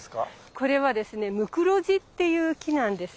これはですねムクロジっていう木なんです。